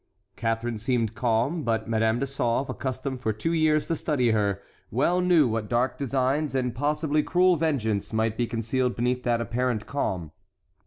Catharine seemed calm; but Madame de Sauve, accustomed for two years to study her, well knew what dark designs, and possibly cruel vengeance, might be concealed beneath that apparent calm.